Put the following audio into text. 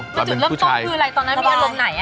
มันจุดเริ่มต้นคืออะไรตอนนั้นมีอารมณ์ไหน